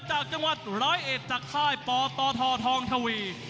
จังหวัด๑๐๑จากค่ายปตทวททวงธวี